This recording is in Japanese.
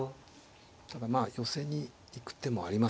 ただまあ寄せに行く手もあります。